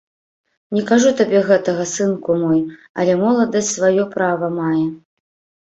Не кажу табе гэтага, сынку мой, але моладасць сваё права мае.